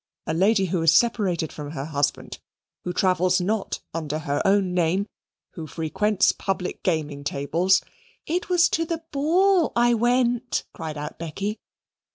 A lady who is separated from her husband, who travels not under her own name, who frequents public gaming tables " "It was to the ball I went," cried out Becky.